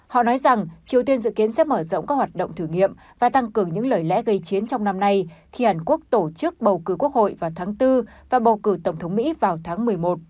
họ nói rằng triều tiên dự kiến sẽ mở rộng các hoạt động thử nghiệm và tăng cường những lời lẽ gây chiến trong năm nay khi hàn quốc tổ chức bầu cử quốc hội vào tháng bốn và bầu cử tổng thống mỹ vào tháng một mươi một